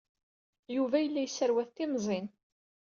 Yuba yella yesserwat timẓin.